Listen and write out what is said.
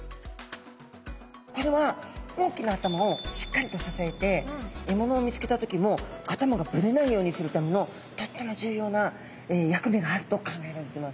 これは大きな頭をしっかりと支えて獲物を見つけた時も頭がぶれないようにするためのとっても重要な役目があると考えられてます。